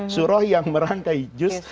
suruh yang merangkai juz